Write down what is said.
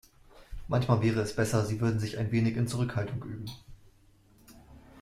Manchmal wäre es besser, sie würde sich ein wenig in Zurückhaltung üben.